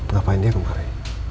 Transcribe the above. ngapain dia kemari